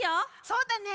そうだね。